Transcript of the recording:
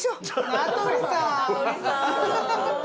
名取さん。